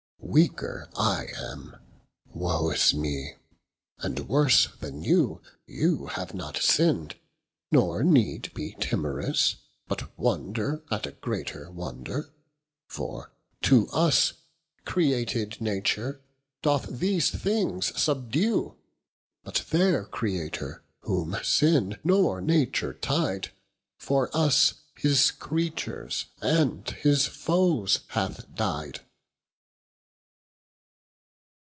Weaker I am, woe is mee, and worse than you, You have not sinn'd, nor need be timorous. But wonder at a greater wonder, for to us Created nature doth these things subdue, But their Creator, whom sin, nor nature tyed, For us, his Creatures, and his foes, hath dyed.